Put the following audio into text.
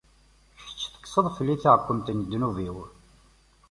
Kečč, tekkseḍ fell-i taɛkwemt n ddnub-iw.